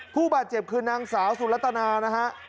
ผู้บาดเจ็บคือนางสาวสุรัตนานะฮะ